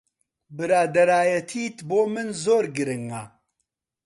برادەرایەتیت بۆ من زۆر گرنگە.